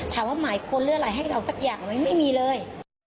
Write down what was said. ถามว่าหมายค้นเรื่องอะไรให้เราสักอย่างไหมไม่มีเลย